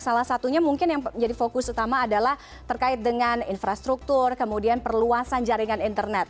salah satunya mungkin yang menjadi fokus utama adalah terkait dengan infrastruktur kemudian perluasan jaringan internet